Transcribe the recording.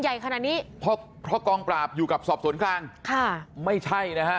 ใหญ่ขนาดนี้เพราะกรองปราบอยู่กับสอบสวนกลางไม่ใช่นะ